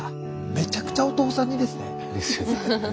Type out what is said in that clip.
めちゃくちゃお父さん似ですね。ですよね。